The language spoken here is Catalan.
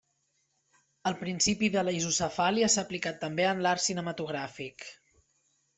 El principi de la isocefàlia s'ha aplicat també en l'art cinematogràfic.